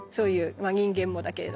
まあ人間もだけれども。